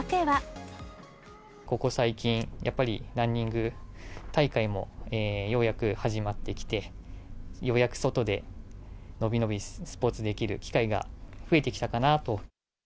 ここ最近、やっぱりランニング大会もようやく始まってきて、ようやく外で伸び伸びスポーツできる機会が増えてきたかなと。